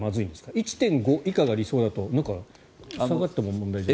１．５以下が理想だと下がっても問題ないような。